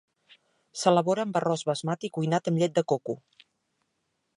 S'elabora amb arròs basmati cuinat amb llet de coco.